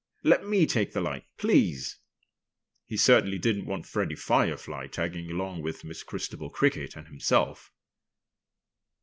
"Let me take the light, please!" He certainly didn't want Freddie Firefly tagging along with Miss Christabel Cricket and himself.